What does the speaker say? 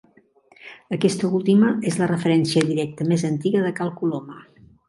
Aquesta última és la referència directa més antiga de Cal Coloma.